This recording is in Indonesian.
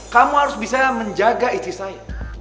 kamu harus bisa menjaga istri saya